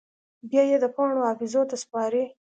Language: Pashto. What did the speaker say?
بیا یې د پاڼو حافظو ته سپاري